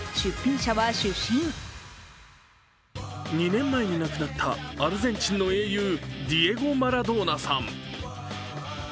２年前に亡くなったアルゼンチンの英雄・ディエゴ・マラドーナさん。